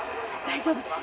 大丈夫。